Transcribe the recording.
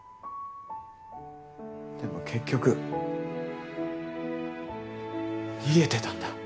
でも結局逃げてたんだ。